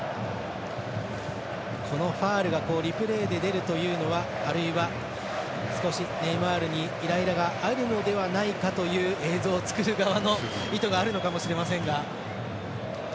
このファウルがリプレーで出るというのはあるいは、少しネイマールにイライラがあるのではないかという映像を作る側の意図があるのかもしれませんが。